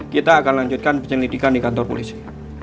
kita akan lanjutkan penyelidikan di kantor polisi